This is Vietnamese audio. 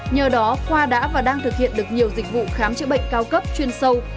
nhờ đó khoa đã và đang thực hiện được nhiều dịch vụ khám chữa bệnh cao cấp chuyên sâu